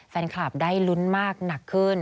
แฟนคลับได้ลุ้นมากหนักขึ้น